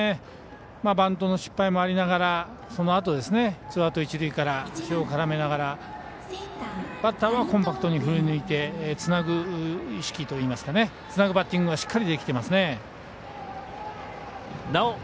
バントの失敗もありながらそのあと、ツーアウト、一塁から足を絡めながらバッターはコンパクトに振りにいってつなぐ意識といいますかつなぐバッティングがしっかりできていますね。